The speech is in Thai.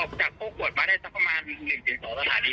ออกจากพวกบ่านป่าได้สักประมาณ๑๒สถานี